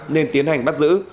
nên tiến hành bắt giữ